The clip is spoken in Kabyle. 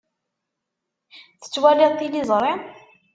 Tettwaliḍ tiliẓri?